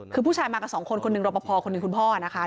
คือผู้ชายมากับสองคนคนหนึ่งรอปภคนหนึ่งคุณพ่อนะคะ